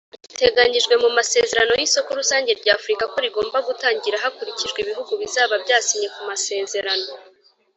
biteganyijwe mu masezerano y’isoko rusange rya Afurika ko rigomba gutangira hakurikijwe ibihugu bizaba byasinye ku masezerano.